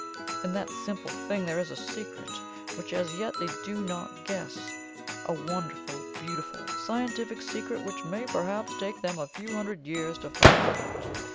In that simple thing there is a secret, which as yet they do not guess a wonderful, beautiful, scientific secret, which may perhaps take them a few hundred years to find out.